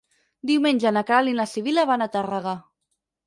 Diumenge na Queralt i na Sibil·la van a Tàrrega.